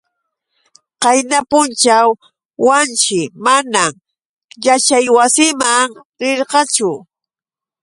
Qayna punćhaw Wanshi manam yaćhaywasiman rirqachu.